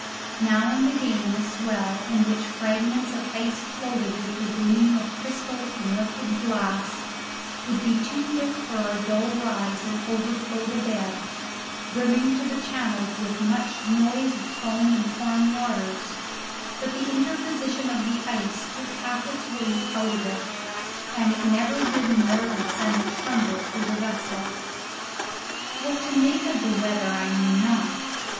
Now and again the swell, in which fragments of ice floated with the gleam of crystal in liquid glass, would be too quick for our dull rise and overflow the bed, brimming to the channels with much noise of foam and pouring waters, but the interposition of the ice took half its weight out of it, and it never did more than send a tremble through the vessel. What to make of the weather I knew not.